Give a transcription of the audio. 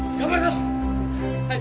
はい！